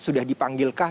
sudah dipanggil kah